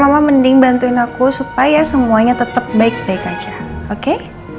mama mending bantuin aku supaya semuanya tetap baik baik aja oke